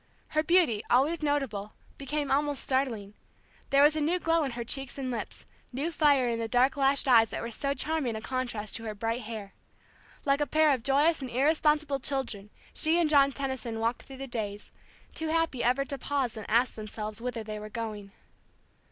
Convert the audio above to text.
Her beauty, always notable, became almost startling; there was a new glow in her cheeks and lips, new fire in the dark lashed eyes that were so charming a contrast to her bright hair. Like a pair of joyous and irresponsible children she and John Tenison walked through the days, too happy ever to pause and ask themselves whither they were going.